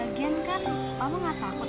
lagian kan mama gak takut